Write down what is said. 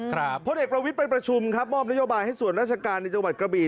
พลเอกประวิทย์ไปประชุมครับมอบนโยบายให้ส่วนราชการในจังหวัดกระบี่